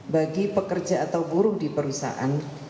bagi pekerja atau buruh di perusahaan